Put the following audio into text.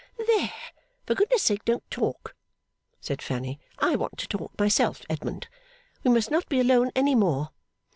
'There! For goodness sake, don't talk,' said Fanny; 'I want to talk, myself. Edmund, we must not be alone any more.